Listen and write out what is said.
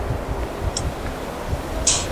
استاد د شاګرد په کار کي بې ځایه لاسوهنه نه کوي.